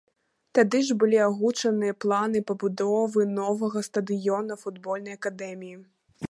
Тады ж былі агучаны планы пабудовы новага стадыёна, футбольнай акадэміі.